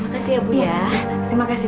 terima kasih ya bu